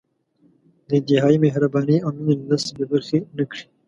د انتهايي مهربانۍ او مېنې له درس بې برخې نه کړي.